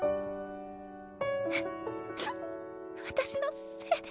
うぅ私のせいで。